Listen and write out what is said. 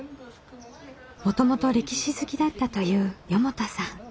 もともと歴史好きだったという四方田さん。